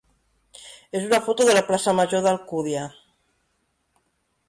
és una foto de la plaça major d'Alcúdia.